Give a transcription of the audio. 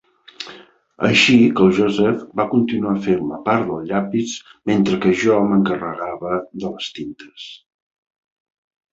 Així que el Joseph va continuar fent la part del llapis mentre que jo m'encarregava de les tintes.